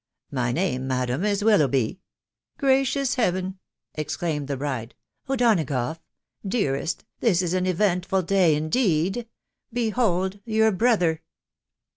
t€ My name, madam, is Willoughby." " Gracious heaven !." exclaimed the bride, u O'Donagough, dearest, this is an eventful day, indeed .♦.. Behold your brother